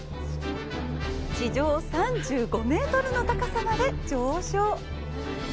地上３５メートルの高さまで上昇。